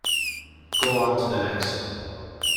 Go on to the next!